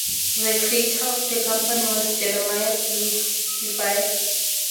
The creator of the company was Jeremiah Dwyer.